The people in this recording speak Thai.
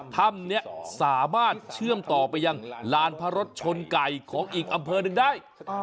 ถ้ำนี้สามารถเชื่อมต่อไปยังลานพระรสชนไก่ของอีกอำเภอหนึ่งได้